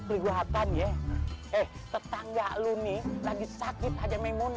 kita kandang dutan dalam merangka merayakan